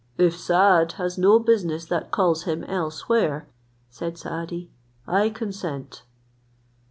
"If Saad has no business that calls him elsewhere," said Saadi, "I consent."